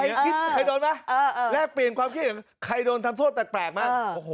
ใครคิดใครโดนไหมและเปลี่ยนความคิดอย่างใครโดนทำโทษแปลกแปลกมาก